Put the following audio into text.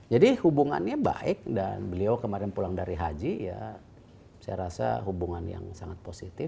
jadi hubungannya baik dan beliau kemarin pulang dari haji ya saya rasa hubungan yang sangat positif